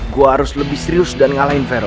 gue harus lebih serius dan ngalahin vero